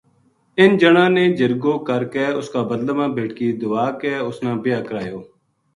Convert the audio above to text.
اِنھ جنا نے جرگو کر کے اس کا بدلہ ما بیٹکی دیوا کے اُس نا بیاہ کرایو